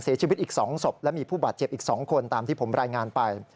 เสียชีวิตอีก๒ศพและมีผู้บาดเจ็บอีก๒คนตามที่ผมรายงานไป